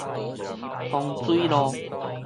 通水路